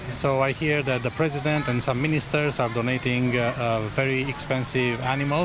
jadi saya mendengar bahwa presiden dan beberapa minister memberikan hiburan yang sangat mahal